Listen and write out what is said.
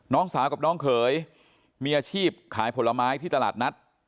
น้องสาวกับน้องเขยมีอาชีพขายผลไม้ที่ตลาดนัด